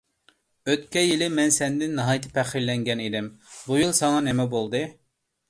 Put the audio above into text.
ئۆتكەن يىلى مەن سەندىن ناھايىتى پەخىرلەنگەنىدىم، بۇ يىل ساڭا نېمە بولدى؟